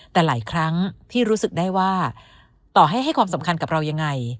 แต่หลายครั้งพี่รู้สึกได้ว่าต่อให้ให้ความสำคัญกับเรายังไง